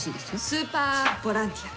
スーパーボランティア。